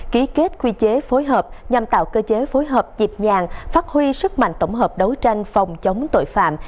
ký kết quy chế phối hợp nhằm tạo cơ chế phối hợp nhịp nhàng phát huy sức mạnh tổng hợp đấu tranh phòng chống tội phạm